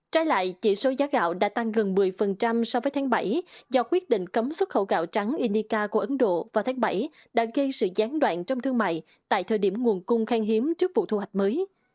trái lại chỉ số giá gạo đã tăng gần một mươi so với tháng bảy do quyết định cấm xuất khẩu gạo trắng inica của ấn độ vào tháng bảy đã gây sự gián đoạn trong thương mại tại thời điểm nguồn cung khang hiếm trước vụ thu hoạch mới